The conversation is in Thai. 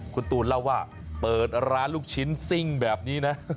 คุณตูนเล่าว่าเปิดร้านลูกชิ้นซิ่งแบบนี้นะ